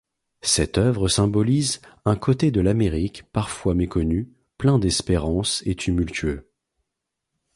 Cette œuvre symbolise un côté de l'Amérique parfois méconnu, plein d'espérance et tumultueux.